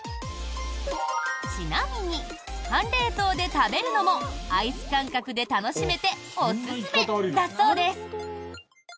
ちなみに、半冷凍で食べるのもアイス感覚で楽しめておすすめだそうです。